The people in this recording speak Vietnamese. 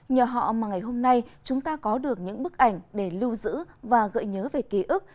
nhờ họ mà ngày hôm nay chúng ta có được những bức ảnh để lưu giữ và gợi nhớ về ký ức